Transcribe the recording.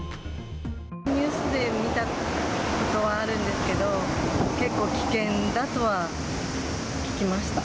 ニュースで見たことはあるんですけど、結構危険だとは聞きました。